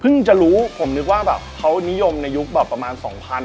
จะรู้ผมนึกว่าแบบเขานิยมในยุคแบบประมาณ๒๐๐